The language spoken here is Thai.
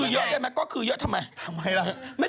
อย่าก๊อกคือเยอะทำไม